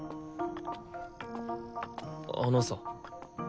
あのさ。